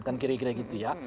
kan kira kira gitu ya